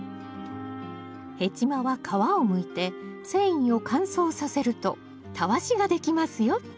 ヘチマは皮をむいて繊維を乾燥させるとたわしができますよ